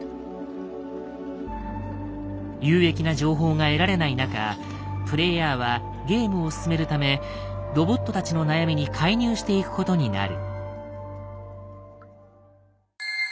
有益な情報が得られない中プレイヤーはゲームを進めるためロボットたちの悩みに介入していくことになる。